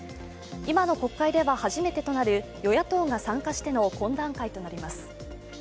今の国会では初めてとなる与野党が参加しての懇談会となります。